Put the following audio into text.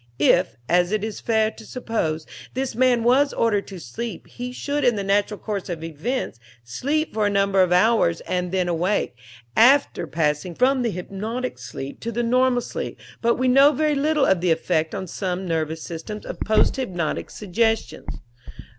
If, as it is fair to suppose, this man was ordered to sleep, he should in the natural course of events sleep for a number of hours and then awake, after passing from the hypnotic sleep to the normal sleep; but we know very little of the effect on some nervous systems of post hypnotic suggestions.